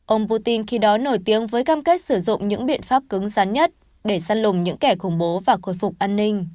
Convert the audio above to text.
ông putin khi đó nổi tiếng với cam kết sử dụng những biện pháp cứng rắn nhất để săn lùng những kẻ khủng bố và khôi phục an ninh